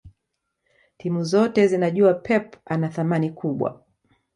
timu zote zinajua pep ana thamani kubwa